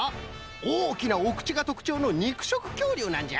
おおきなおくちがとくちょうのにくしょくきょうりゅうなんじゃ。